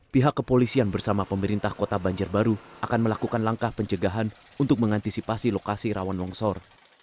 pihak kepolisian bersama pemerintah kota banjarbaru akan melakukan langkah pencegahan untuk mengantisipasi lokasi rawan longsor